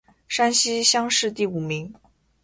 山西乡试第五名。